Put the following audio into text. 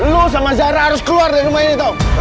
lo sama zara harus keluar dari rumah ini tau